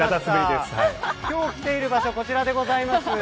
今日来ている場所、こちらです。